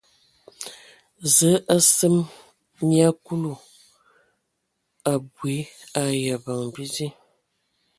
Zəə a seme nyia Kulu abui ai abəŋ bidi.